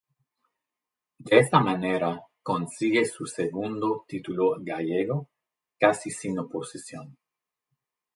De esta manera consigue su segundo título gallego casi sin oposición.